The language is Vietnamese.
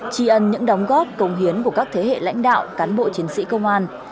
tri ân những đóng góp công hiến của các thế hệ lãnh đạo cán bộ chiến sĩ công an